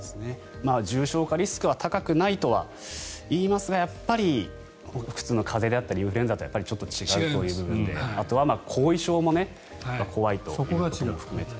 重症化リスクは高くないといいますがやっぱり普通の風邪やインフルエンザとはちょっと違うという部分であとは後遺症も怖いというところも含めて。